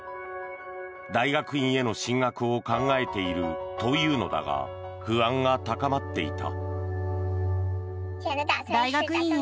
大学院への進学を考えているというのだが不安が高まっていた。